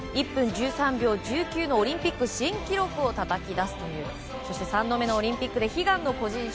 １分１３秒１９のオリンピック新記録をたたき出し３度目のオリンピックで悲願の個人